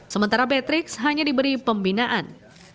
sementara patrick hanya diberi pembinaan